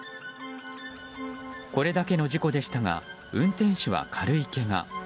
これだけの事故でしたが運転手は、軽いけが。